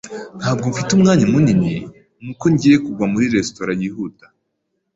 Ntabwo mfite umwanya munini, nuko ngiye kugwa muri resitora yihuta.